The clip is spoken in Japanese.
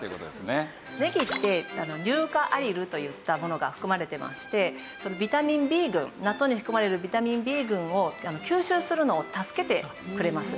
ねぎって硫化アリルといったものが含まれてましてビタミンＢ群納豆に含まれるビタミンＢ群を吸収するのを助けてくれます。